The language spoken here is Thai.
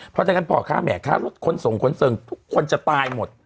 เพราะฉะนั้นพ่อค้าแม่ค้ารถขนส่งขนส่งทุกคนจะตายหมด